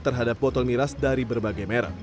terhadap botol miras dari berbagai merek